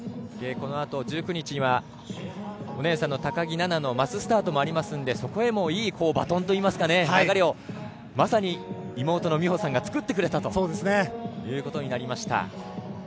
このあと１９日にはお姉さんの高木菜那さんのマススタートもありますのでそこへも、いいバトンというか流れを、まさに妹の美帆さんが作ってくれたということになりました。